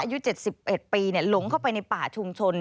อายุ๗๑ปีหลงเข้าไปในป่าชุมชน